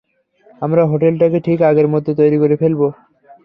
আমরা হোটেলটাকে ঠিক আগের মতো তৈরি করে ফেলবো।